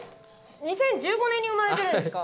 ２０１５年に生まれてるんですか？